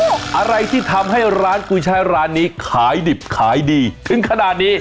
อะไรที่ทำให้ร้านกุยใช้ร้านนี้ขายดิบขายดีถึงขนาดนี้